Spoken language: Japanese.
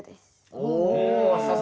お。